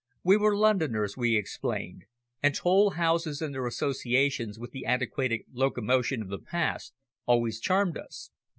We were Londoners, we explained, and toll houses and their associations with the antiquated locomotion of the past always charmed us.